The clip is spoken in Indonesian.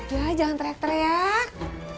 ya jangan teriak teriak